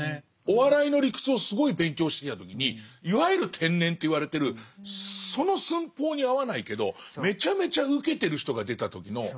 お笑いの理屈をすごい勉強してた時にいわゆる天然と言われてるその寸法に合わないけどめちゃめちゃウケてる人が出た時の恐怖とか。